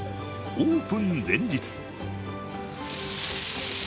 オープン前日。